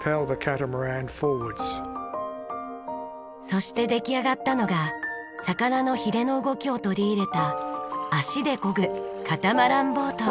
そして出来上がったのが魚のヒレの動きを取り入れた足でこぐカタマランボート。